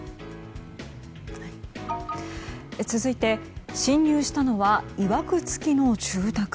続いて、侵入したのはいわく付きの住宅。